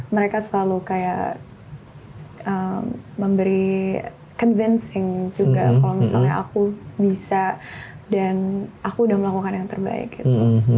mereka selalu kayak memberi convencing juga kalau misalnya aku bisa dan aku udah melakukan yang terbaik gitu